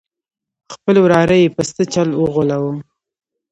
خپل وراره یې په څه چل وغولاوه.